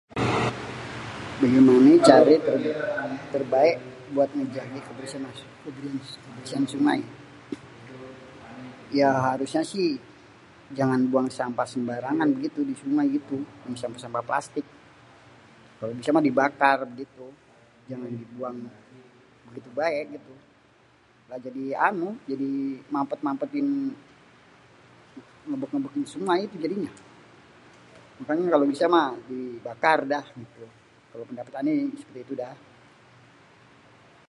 """Begimané care terbaék buat ngejaga kebersihan sungai?"", ya harusnya sih jangan buang sampah sembarangan begitu di sungai gitu yang sampah-sampah plastik. Kalo bisa mah dibakar gitu jangan di buang begitu baé gitu, malah jadi anu, jadi mampet-mampetin, ngebek-ngebekin sungai itu jadinya. Makanya kalo bisa mah dibakar udah gitu, kalo pendapat ane ye seperti itu dah."